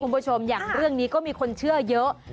คุณผู้ชมอย่างเรื่องนี้ก็มีคนเชื่อเยอะ